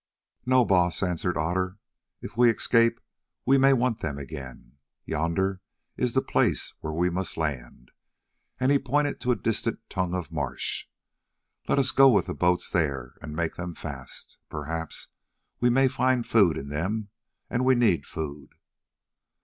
"No, Baas," answered Otter, "if we escape we may want them again. Yonder is the place where we must land," and he pointed to a distant tongue of marsh. "Let us go with the boats there and make them fast. Perhaps we may find food in them, and we need food."